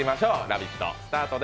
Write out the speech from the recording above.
「ラヴィット！」